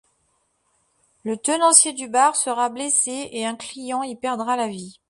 Le tenancier du bar sera blessé et un client y perdra la vie.